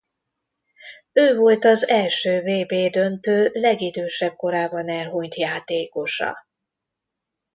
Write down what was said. Ő volt az első vb-döntő legidősebb korában elhunyt játékosa.